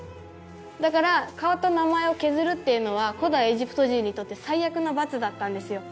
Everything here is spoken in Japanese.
だから顔と名前を削るっていうのは古代エジプト人にとって最悪の罰だったんですよ。